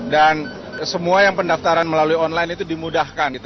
dan semua yang pendaftaran melalui online itu dimudahkan